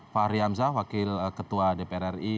fahri hamzah wakil ketua dpr ri